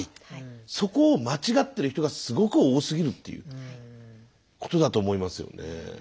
そこを間違ってる人がすごく多すぎるっていうことだと思いますよね。